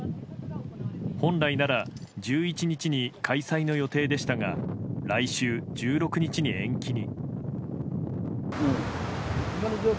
本来なら１１日に開催の予定でしたが来週１６日に延期に。